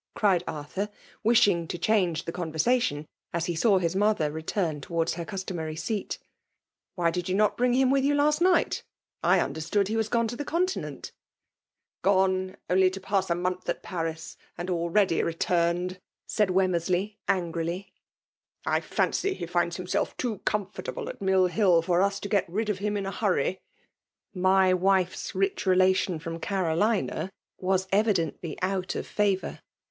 cried Arthur, widiing tQ change the conversation', as lie saw his mother return towards her customary scat. « Why did you not bring him with you last night ? I understood he was gone to the con tinent" Gone only to pass a month at Paris, and VOL. H. H *^ u 146 FB1IAI.B DOViKAtlOfL wStteaAj returned, said WemoMnhj magtOf. *' I fancy he finds himself too oomfortaUe at MOl urn for us toget rid of hHt in a hnrryJ' C My wife's tdch relation fiom Canlma" uns evidently out of favour.)